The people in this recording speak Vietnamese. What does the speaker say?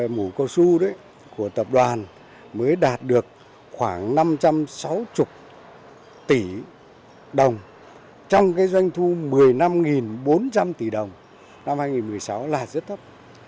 mù cao su đấy của tập đoàn mới đạt được khoảng năm trăm sáu mươi tỷ đồng trong doanh thu một mươi năm bốn trăm linh tỷ đồng năm hai nghìn một mươi sáu là rất thấp